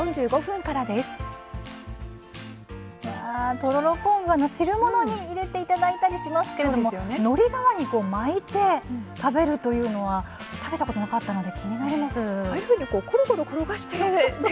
とろろ昆布、汁物に入れていただいたりしますけどのり代わりに巻いて食べるというのは食べたことなかったので気になります。